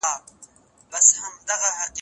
زه د انګورو په خوړلو بوخت یم.